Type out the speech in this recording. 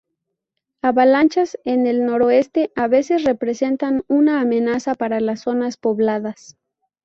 Avalanchas en el noreste a veces representan una amenaza para las zonas pobladas.